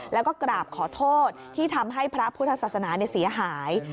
แล้วก็กราบขอโทษที่ทำให้พระพุทธศาสนาเสียหาย